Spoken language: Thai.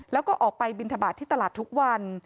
แล้วก็ออกไปบินทบาทที่ตลาดทุกวัน